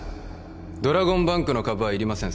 ドラゴンバンクの株はいりません